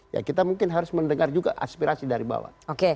ya kita mungkin harus mendengar juga aspirasi dari bawah